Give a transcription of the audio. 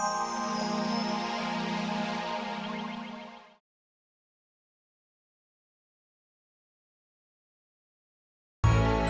ya udah aku mau pulang